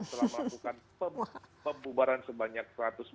telah melakukan pembubaran sebanyak satu ratus sembilan puluh tujuh